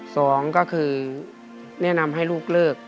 สองก็คือแนะนำให้ลูกเลิก